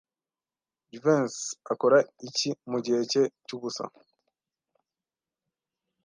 Jivency akora iki mugihe cye cyubusa?